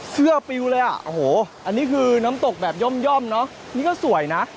เสื้อปิวเลยอ่ะโอ้โหอันนี้คือน้ำตกแบบย่อมเนอะนี่ก็สวยนะ